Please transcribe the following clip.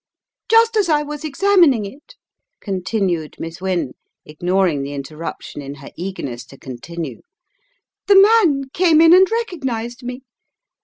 "Just as I was examining it," continued Miss Wynne, ignoring the interruption in her eagerness to continue, "the man came in, and recognized me.